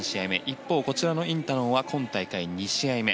一方こちらのインタノンは今大会、２試合目。